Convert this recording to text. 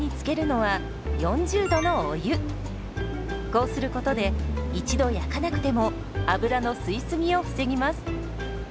こうすることで一度焼かなくても油の吸い過ぎを防ぎます。